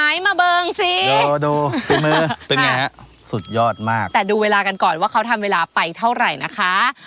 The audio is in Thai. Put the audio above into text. มาเบิงสิดูเป็นไงฮะสุดยอดมากแต่ดูเวลากันก่อนว่าเขาทำเวลาไปเท่าไหร่นะคะ